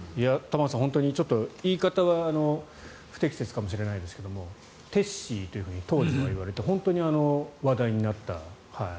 玉川さん、本当にちょっと言い方は不適切かもしれないですがテッシーというふうに当時は言われて本当に話題になった。